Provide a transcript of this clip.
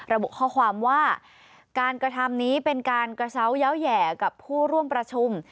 ระบุข้อความว่าการกระทำนี้เป็นการกระเซาเยาว์แห่กับผู้ร่วมประชุม